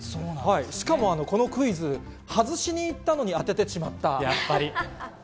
しかもこのクイズ、外しに行ったのに当ててしまった。